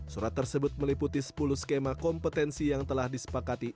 surat tersebut meliputi sepuluh skema kompetensi yang telah disepakati